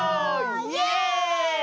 イエーイ！